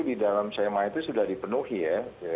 di dalam sema itu sudah dipenuhi ya